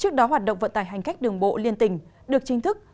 trước đó hoạt động vận tải hành khách đường bộ liên tỉnh được chính thức